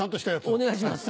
お願いします。